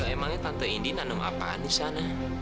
emangnya tante indi nanem apaan di sana